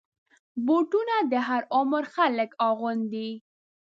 بوټونه د هر عمر خلک اغوندي.